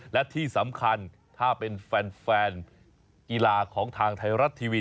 และที่สำคัญถ้าเป็นแฟนกีฬาของทางไทยรัฐทีวี